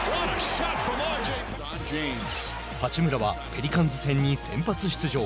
八村はペリカンズ戦に先発出場。